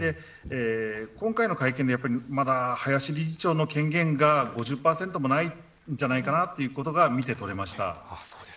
今回の会見で林理事長の権限が５０％もないんじゃないかなということが見て取れました。